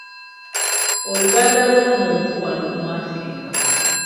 Oluganda lw’omuntu wano mu Afirika.